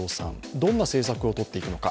どんな政策をとっているのか。